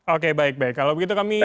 oke baik baik kalau begitu kami